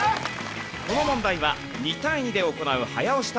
この問題は２対２で行う早押し対決です。